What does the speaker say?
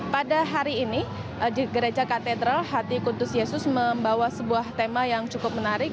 pada hari ini di gereja katedral hati kuntus yesus membawa sebuah tema yang cukup menarik